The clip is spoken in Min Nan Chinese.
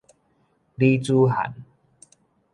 女子漢